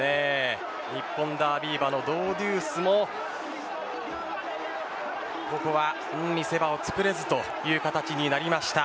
日本ダービー馬のドウデュースもここは見せ場をつくれずという形になりました。